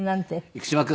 「生島君